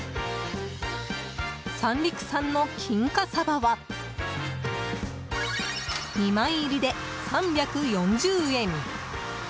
三陸産の金華サバは２枚入りで３４０円。